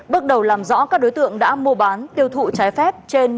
bước đầu làm rõ các đối tượng đã mua bán tiêu thụ trái phép trên một sáu tấn ma túy